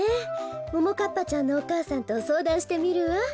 ももかっぱちゃんのお母さんとそうだんしてみるわ。